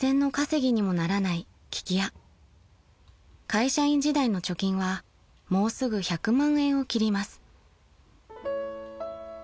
［会社員時代の貯金はもうすぐ１００万円を切ります］